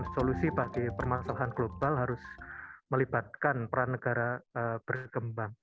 solusi bagi permasalahan global harus melibatkan peran negara berkembang